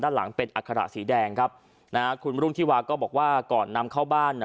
หลังเป็นอัคระสีแดงครับนะฮะคุณรุ่งธิวาก็บอกว่าก่อนนำเข้าบ้าน